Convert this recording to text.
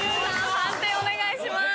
判定お願いします。